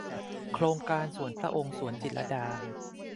โครงการส่วนพระองค์ สวนจิตรลดา